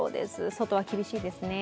外は厳しいですね。